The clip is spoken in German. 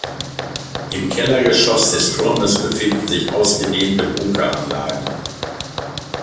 Im Kellergeschoss des Turmes befinden sich ausgedehnte Bunkeranlagen.